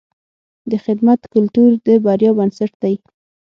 د خدمت کلتور د بریا بنسټ دی.